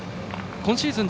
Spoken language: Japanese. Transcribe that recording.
今シーズン